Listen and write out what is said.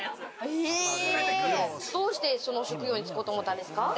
どうしてその職業に就こうと思ったんですか？